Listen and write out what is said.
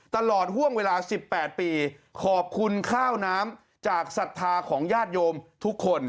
ตลอดห่วงเวลา๑๘ปีขอบคุณข้าวน้ำจากศรัทธาของญาติโยมทุกคน